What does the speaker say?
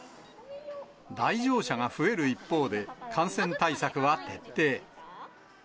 来場者が増える一方で、感染対策は徹底。